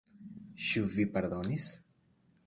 Ĉu vi pardonis?